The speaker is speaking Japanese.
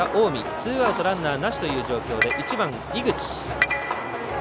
ツーアウト、ランナーなしという状況で１番、井口。